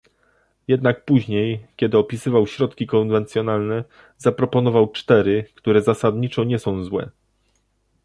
Jednak później, kiedy opisywał środki konwencjonalne, zaproponował cztery, które zasadniczo nie są złe